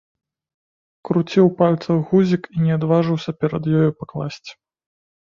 Круціў у пальцах гузік і не адважыўся перад ёю пакласці.